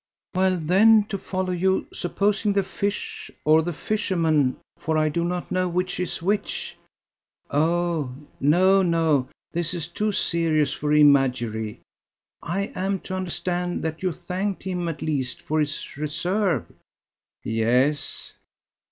"Well, then, to follow you, supposing the fish or the fisherman, for I don't know which is which ... Oh! no, no: this is too serious for imagery. I am to understand that you thanked him at least for his reserve." "Yes."